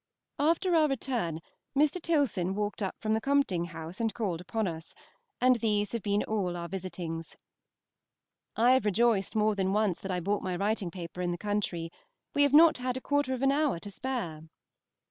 After our return Mr. Tilson walked up from the Compting House and called upon us, and these have been all our visitings. I have rejoiced more than once that I bought my writing paper in the country; we have not had a quarter of an hour to spare.